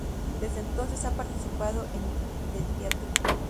Desde entonces, ha participado en del teatro.